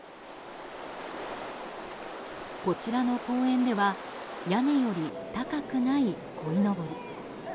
こちらの公園では屋根より高くないこいのぼり。